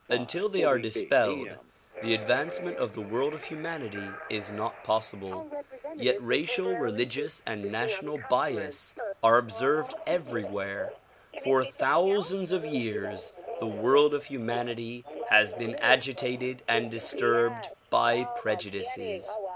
Until they are dispelled the ad vancement of the world of humanity is not possible, yet racial, religious and national bias are observed everywhere. For thousands of years the world of humanity has been agitated and disturbed by prejudices.